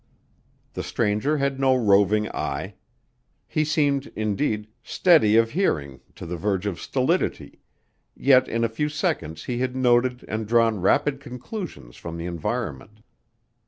The stranger had no roving eye. He seemed, indeed, steady of hearing to the verge of stolidity, yet in a few seconds he had noted and drawn rapid conclusions from the environment.